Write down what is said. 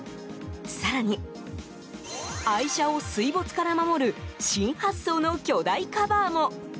更に、愛車を水没から守る新発想の巨大カバーも。